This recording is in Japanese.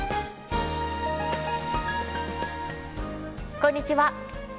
こんにちは。